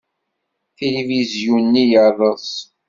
Tilivizyu-nni yerreẓ.